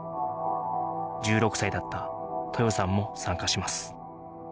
１６歳だった豊さんも参加します